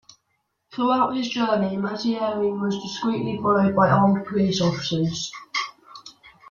Throughout his journey Mazzieri was discreetly followed by armed police officers.